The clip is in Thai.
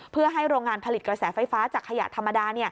เพื่อให้โรงงานผลิตกระแสไฟฟ้าจากขยะธรรมดา